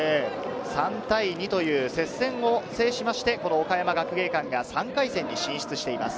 ３対２という接戦を制しまして、この岡山学芸館が３回戦に進出しています。